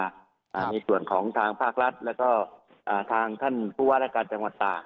ในส่วนของทางภาครัฐและทางท่านภูวาและการจังหวัดต่าง